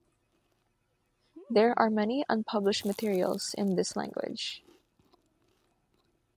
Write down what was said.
There are many unpublished materials in this language.